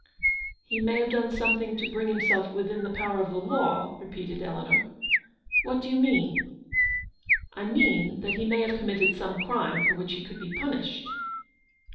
ff He may have done something to bring him self within the power of the law," repeated Eleanor. " What do you mean ?" "I mean that he may have committed some crime for which he could be punished."